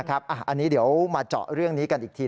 อันนี้เดี๋ยวมาเจาะเรื่องนี้กันอีกที